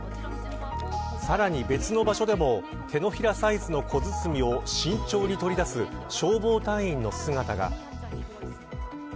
さらに別の場所でも手のひらサイズの小包を慎重に取り出す消防隊員の姿が。